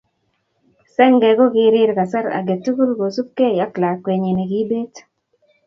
Senge kokirir kasar age tugul kosupgei ako lakwenyi nekibet.